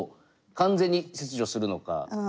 完全に切除するのか。